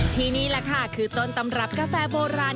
นี่แหละค่ะคือต้นตำรับกาแฟโบราณ